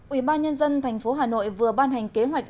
ubnd tp hà nội vừa ban hành kế hoạch